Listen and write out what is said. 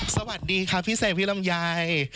สวัสดีค่ะพี่เสกพี่ลำไย